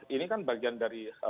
ini kan bagian dari